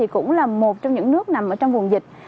cũng là một trong những nước nằm trong vùng dịch